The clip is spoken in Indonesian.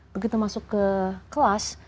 begitu masuk ke kelas